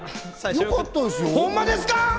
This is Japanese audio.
ほんまですか。